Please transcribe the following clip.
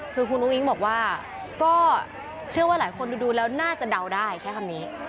คือคุณอุ้งบอกว่าก็เชื่อว่าหลายคนดูแล้วน่าจะเดาได้ใช้คำนี้